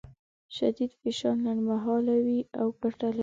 شدید فشار لنډمهاله وي او ګټه لري.